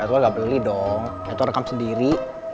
edward ga beli dong edward rekam sendiri